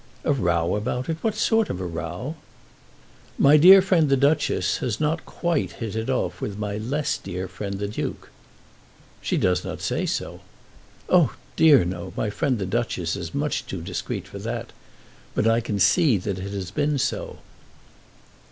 "A row about it! What sort of a row?" "My dear friend the Duchess has not quite hit it off with my less dear friend the Duke." "She does not say so?" "Oh dear, no! My friend the Duchess is much too discreet for that; but I can see that it has been so."